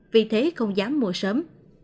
vì thế không dám mua sớm